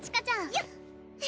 よっ！